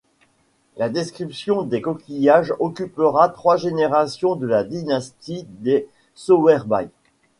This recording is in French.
La description des coquillages occupera trois générations de la dynastie des Sowerby.